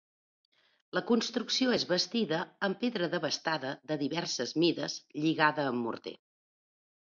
La construcció és bastida amb pedra desbastada de diverses mides lligada amb morter.